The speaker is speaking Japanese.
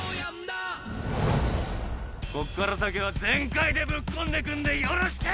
こっから先は全開でぶっ込んでくんでよろしく！